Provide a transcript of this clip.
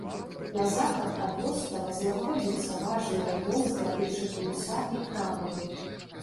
На захад ад вострава знаходзіцца важны раён здабычы тунца і крабаў.